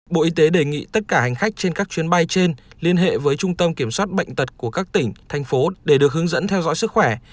bộ y tế đề nghị tất cả hành khách trên các chuyến bay trên liên hệ với trung tâm kiểm soát bệnh tật của các tỉnh thành phố để được hướng dẫn theo dõi sức khỏe